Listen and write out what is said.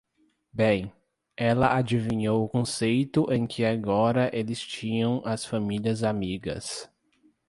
Bem, ela adivinhou o conceito em que agora eles tinham as famílias amigas.